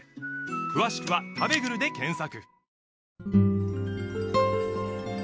詳しくは「たべぐる」で検索